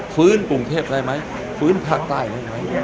ฟื้นกรุงเทพได้ไหมฟื้นภาคใต้ได้ไหม